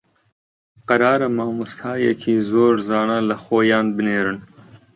قەرارە مامۆستایەکی زۆر زانا لە خۆیان بنێرن